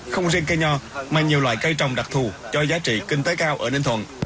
không riêng cây nho mà nhiều loại cây trồng đặc thù cho giá trị kinh tế cao ở ninh thuận